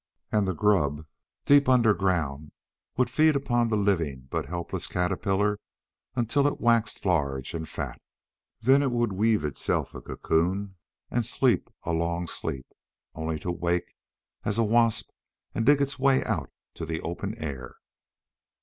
And the grub, deep underground, would feed upon the living but helpless caterpillar until it waxed large and fat. Then it would weave itself a cocoon and sleep a long sleep, only to wake as a wasp and dig its way out to the open air.